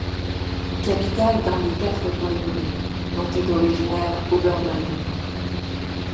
Capitale d'un des quatre royaumes, dont est originaire Hober Mallow.